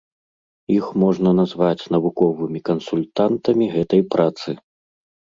Іх можна назваць навуковымі кансультантамі гэтай працы.